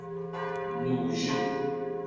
Newjed.